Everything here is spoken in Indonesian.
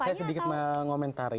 saya sedikit mengomentari